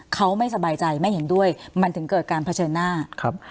เขาไม่สบายใจไม่เห็นด้วยมันถึงเกิดการเผชิญหน้าครับ